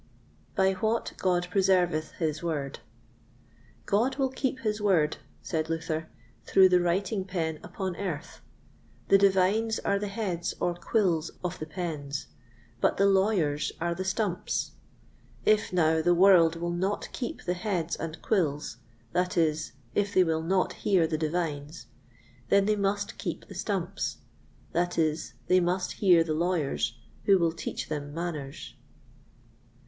By what God preserveth his Word. God will keep his Word, said Luther, through the writing pen upon earth; the Divines are the heads or quills of the pens, but the Lawyers are the stumps. If, now, the world will not keep the heads and quills—that is, if they will not hear the Divines—then they must keep the stumps—that is, they must hear the Lawyers, who will teach them manners.